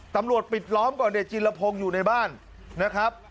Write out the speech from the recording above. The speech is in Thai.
ตำรวจปิดล้อมก่อนเนี่ยจิลภงอยู่ในบ้านนะครับ